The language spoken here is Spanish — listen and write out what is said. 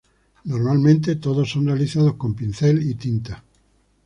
Normalmente todos son realizados con pincel y tinta.